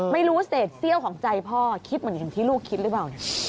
ไม่รู้ว่าเศษเซี่ยวของใจพ่อคิดเหมือนอย่างที่ลูกคิดหรือเปล่าเนี่ย